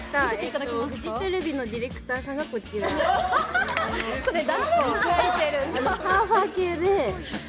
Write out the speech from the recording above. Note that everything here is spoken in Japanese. フジテレビのディレクターさんがサーファー系で。